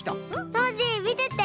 ノージーみてて。